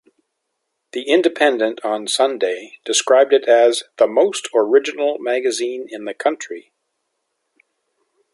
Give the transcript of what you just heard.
"The Independent on Sunday" described it as "The most original magazine in the country".